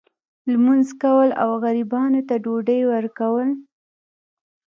لمونځ کول او غریبانو ته ډوډۍ ورکول.